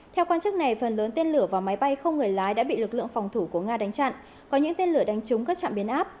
theo quan chức này phần lớn tên lửa và máy bay không người lái đã bị lực lượng phòng thủ của nga đánh chặn có những tên lửa đánh trúng các trạm biến áp